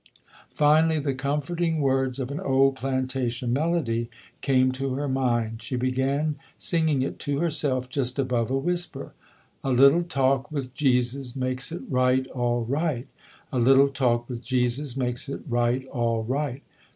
Finally the comforting words of an old plantation melody came to her mind. She began singing it to herself just above a whisper: A little talk with Jesus makes it right, all right. A little talk with Jesus makes it right, all right.